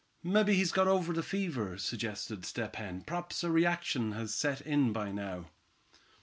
"Mebbe he's got over the fever," suggested Step Hen. "P'raps a reaction has set in by now."